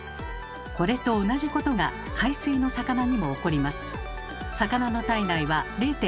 これと同じことが海水の魚にも起こります。